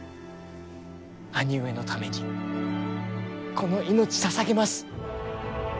兄上のためにこの命捧げます！